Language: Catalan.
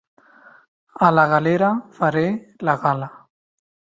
A la galera faré la gala.